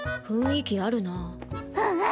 雰囲気あるなぁ。